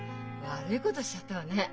悪いことしちゃったわね。